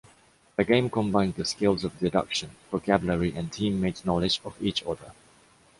The game combines the skills of deduction, vocabulary and teammates’ knowledge of each other.